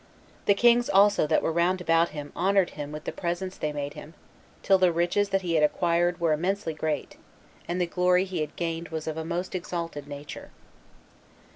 The kings also that were round about him honored him with the presents they made him, till the riches that he had acquired were immensely great, and the glory he had gained was of a most exalted nature.